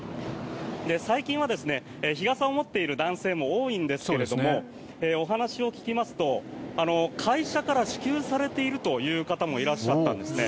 最近は日傘を持っている男性も多いんですがお話を聞きますと、会社から支給されているという方もいらっしゃったんですね。